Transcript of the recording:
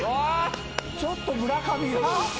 ちょっと村上。